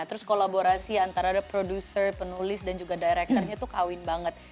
terus kolaborasi antara ada produser penulis dan juga directornya tuh kawin banget